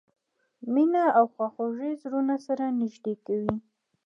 مینه او خواخوږي زړونه سره نږدې کوي.